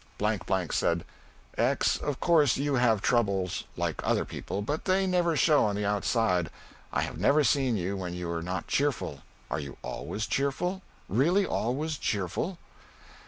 Blank Blank said, "X, of course you have your troubles like other people, but they never show on the outside. I have never seen you when you were not cheerful. Are you always cheerful? Really always cheerful?"